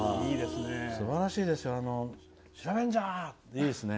すばらしいですね。